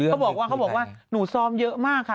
เธอบอกว่าหนูซ้อมเยอะมากค่ะ